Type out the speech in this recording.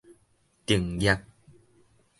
定業